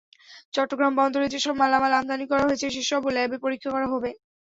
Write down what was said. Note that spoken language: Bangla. চট্টগ্রাম বন্দরে যেসব মালামাল আমদানি করা হয়েছে সেসবও ল্যাবে পরীক্ষা করা হবে।